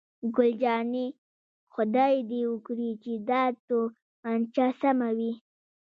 ګل جانې: خدای دې وکړي چې دا تومانچه سمه وي.